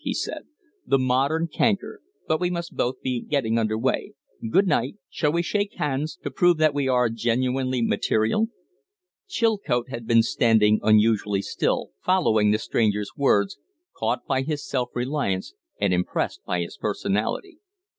he said. "The modern canker. But we must both be getting under way. Good night! Shall we shake hands to prove that we are genuinely material?" Chilcote had been standing unusually still, following the stranger's words caught by his self reliance and impressed by his personality.